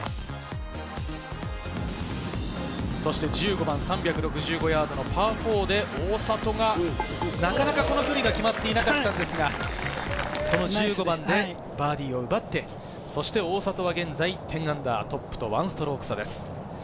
そして１５番、３６５ヤードのパー４で大里がなかなかこの距離が決まっていなかったんですが、１５番でバーディーを奪って、そして大里が現在−１０、トップと１ストローク差です。